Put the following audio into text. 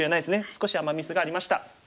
少しアマ・ミスがありました。